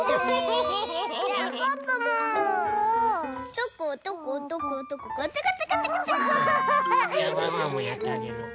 ウフフ！じゃワンワンもやってあげる。